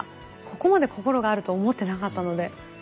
ここまで心があると思ってなかったので。